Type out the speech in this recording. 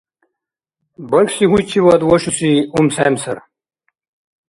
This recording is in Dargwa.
Бархьси гьуйчивад вашуси умсхӀемсар.